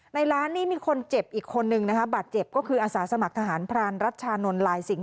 ร้านนี้มีคนเจ็บอีกคนนึงนะคะบาดเจ็บก็คืออาสาสมัครทหารพรานรัชชานนท์ลายสิงห